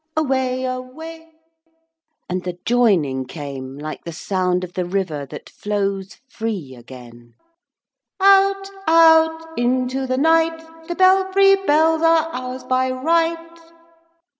'Away, away .' And the joining came like the sound of the river that flows free again. Out, out, into the night, The belfry bells are ours by right!